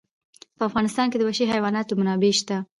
په افغانستان کې د وحشي حیواناتو منابع شته.